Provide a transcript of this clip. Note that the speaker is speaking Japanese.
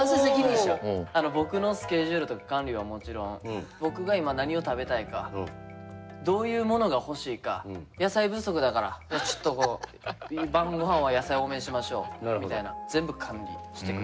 僕のスケジュールとか管理はもちろん僕が今何を食べたいかどういうものが欲しいか野菜不足だからちょっとこう晩ごはんは野菜多めにしましょうみたいな全部管理してくれます。